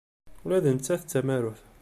Ula d nettat d tamarut.